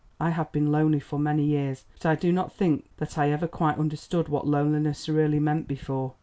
I have been lonely for many years, but I do not think that I ever quite understood what loneliness really meant before.